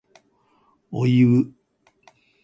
おいう